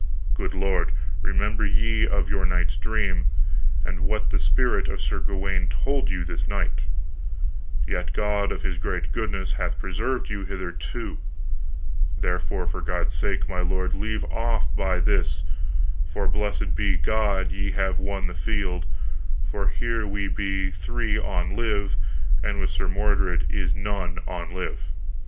Good lord, remember ye of your night's dream, and what the spirit of Sir Gawaine told you this night, yet God of his great goodness hath preserved you hitherto. Therefore, for God's sake, my lord, leave off by this. For blessed be God ye have won the field: for here we be three on live, and with Sir Mordred is none on live.